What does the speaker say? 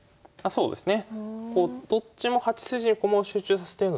そうですね。